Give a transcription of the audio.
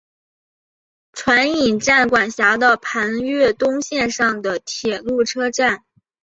船引站管辖的磐越东线上的铁路车站。